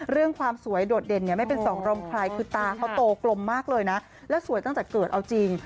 ความสวยโดดเด่นเนี่ยไม่เป็นสองรมใครคือตาเขาโตกลมมากเลยนะแล้วสวยตั้งแต่เกิดเอาจริง